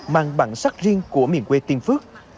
mang bản sắc riêng của miền quê tiên phước